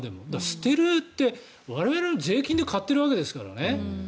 捨てるって、我々の税金で買ってるわけですからね。